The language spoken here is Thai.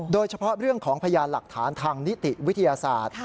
โดยเฉพาะเรื่องของพยานหลักฐานทางนิติวิทยาศาสตร์